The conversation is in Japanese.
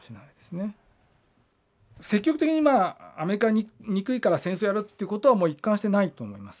積極的にアメリカ憎いから戦争やるっていうことは一貫してないと思います。